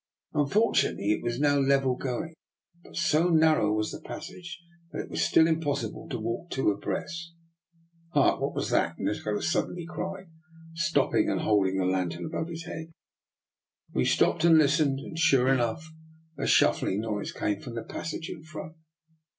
Fortunately, it was now level going, but so narrow was the passage that it was still impossible to walk two abreast. "Hark! what was that?" Nikola sud DR. NIKOLA'S EXPERIMENT. 28 1 denly cried, stopping and holding the lan tern above his head. We stopped and listened, and sure enough a shuffling noise came from the passage in front.